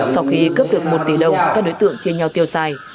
sau khi cướp được một tỷ đồng các đối tượng chia nhau tiêu xài